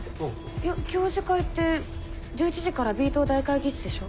いや教授会って１１時からＢ棟大会議室でしょ？